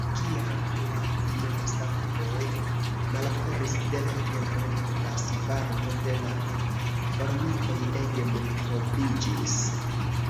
Kiam la dinosaŭroj malaperis de la tero, la svarmo de la formikoj ege multobliĝis.